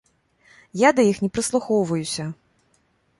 Я да іх не прыслухоўваюся.